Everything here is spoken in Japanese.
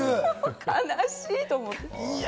悲しい！と思って。